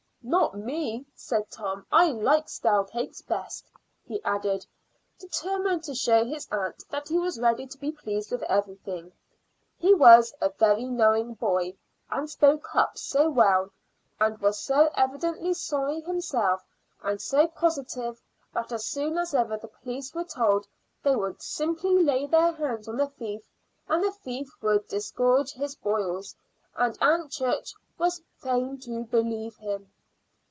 "Not me," said Tom, "I like stale cakes best," he added, determined to show his aunt that he was ready to be pleased with everything. He was a very knowing boy, and spoke up so well, and was so evidently sorry himself, and so positive that as soon as ever the police were told they would simply lay their hands on the thief and the thief would disgorge his spoils, that Aunt Church was fain to believe him.